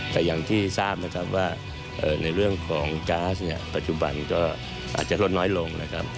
แต่อย่างที่ทราบนะครับว่าในเรื่องของก๊าซเนี่ยปัจจุบันก็อาจจะลดน้อยลงนะครับ